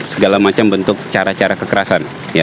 segala macam bentuk cara cara kekerasan